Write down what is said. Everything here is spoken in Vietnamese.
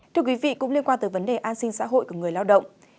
thưa quý vị cũng liên quan tới vấn đề an sinh xã hội của người lao động